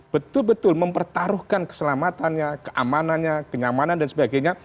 betul betul mempertaruhkan keselamatannya keamanannya kenyamanan dan sebagainya